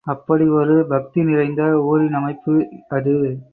அப்படி ஒரு பக்தி நிறைந்த ஊரின் அமைப்பு அது.